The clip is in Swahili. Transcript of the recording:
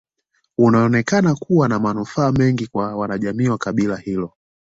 Unaonekana kuwa na manufaa mengi kwa wanajamii wa kabila hilo